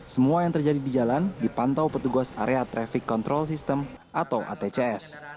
semua yang terjadi di jalan dipantau petugas area traffic control system atau atcs